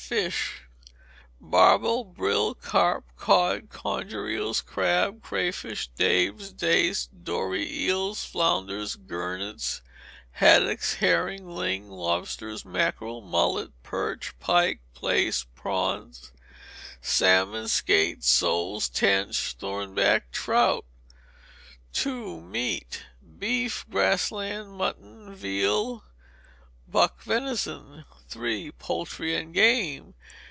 Fish Barbel, brill, carp, cod, conger eels, crabs, cray fish, dabs, dace, dory, eels, flounders, gurnets, haddocks, herrings, ling, lobsters, mackerel, mullet, perch, pike, plaice, prawns, salmon, skate, soles, tench, thornback, trout. ii. Meat. Beef, grass lamb, mutton, veal, buck venison. iii. Poultry and Game.